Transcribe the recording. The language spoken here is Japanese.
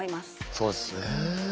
そうですねえ。